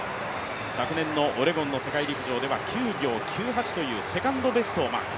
昨年のオレゴンでは９秒９８というセカンドベストをマーク。